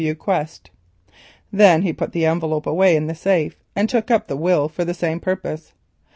—W. Quest." Then he put the envelope away in the safe and took up the will for the same purpose.